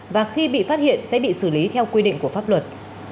và khi bị phát hiện sẽ bị xử lý theo quy định của pháp luật